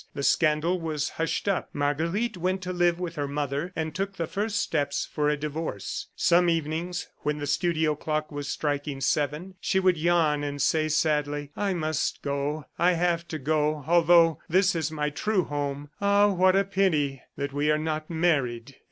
The scandal was hushed up. Marguerite went to live with her mother and took the first steps for a divorce. Some evenings, when the studio clock was striking seven, she would yawn and say sadly: "I must go. ... I have to go, although this is my true home. ... Ah, what a pity that we are not married!"